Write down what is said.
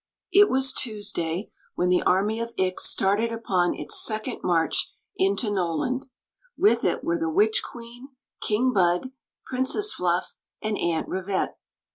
It was Tuesday when the army of Ix started upon its second march into Noland. With it were the witch queen, King Bud, Princess Fluff, and Aunt Rivette.